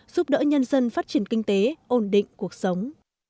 giúp đỡ nhân dân phát triển kinh tế ổn định cuộc sống